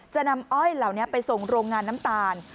จะนำอ้อยเหล่านี้ไปส่งโรงงานน้ำตาล